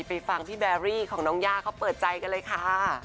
ไปฟังพี่แบรี่ของน้องย่าเขาเปิดใจกันเลยค่ะ